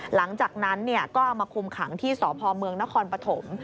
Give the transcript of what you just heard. หลังจากนั้นก็เอามาคุมขังที่สพเมืองนครปฐม